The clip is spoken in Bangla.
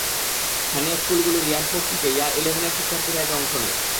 স্থানীয় স্কুলগুলোর ইয়ার ফোর থেকে ইয়ার ইলেভেনের শিক্ষার্থীরা এতে অংশ নেয়।